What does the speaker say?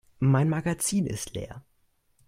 Mein Magazin ist leer.